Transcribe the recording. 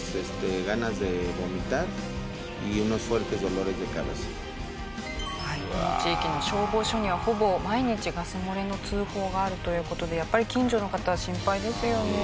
この地域の消防署にはほぼ毎日ガス漏れの通報があるという事でやっぱり近所の方は心配ですよね。